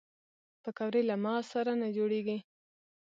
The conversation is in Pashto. پکورې له مغز سره نه جوړېږي